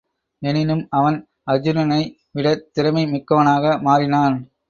எனினும் அவன் அருச்சுனனை விடத் திறமை மிக்கவனாக மாறினான்.